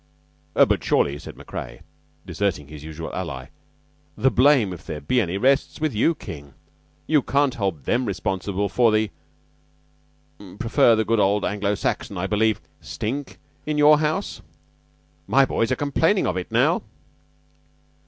"But surely," said Macrea, deserting his usual ally, "the blame, if there be any, rests with you, King. You can't hold them responsible for the you prefer the good old Anglo Saxon, I believe stink in your house. My boys are complaining of it now."